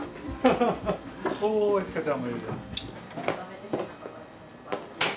おおいちかちゃんもいる。